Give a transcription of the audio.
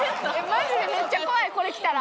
マジでめっちゃ怖いこれ来たら。